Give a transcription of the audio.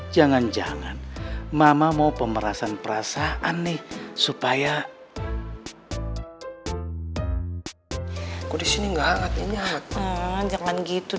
jangan jangan mama mau pemerasan perasaan nih supaya kok di sini enggak katanya akan jangan gitu